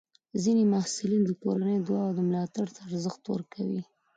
ځینې محصلین د کورنۍ دعا او ملاتړ ته ارزښت ورکوي.